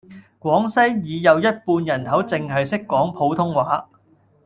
廣西已有一半人口淨係識講普通話